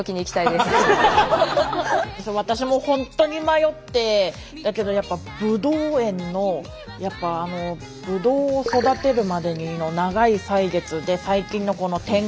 私も本当に迷ってだけどやっぱぶどう園のやっぱあのぶどうを育てるまでの長い歳月で最近のこの天候。